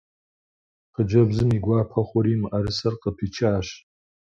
Хъыджэбзым и гуапэ хъури мыӏэрысэр къыпичащ.